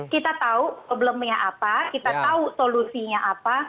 kita tahu problemnya apa kita tahu solusinya apa